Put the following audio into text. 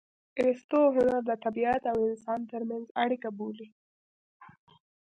ارستو هنر د طبیعت او انسان ترمنځ اړیکه بولي